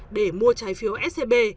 để mua trái phiếu scb